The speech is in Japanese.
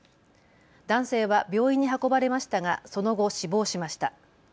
男性は病院に運ばれましたがその後、死亡しました。